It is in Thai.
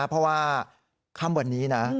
เพราะว่าค่ำวันนี้นะ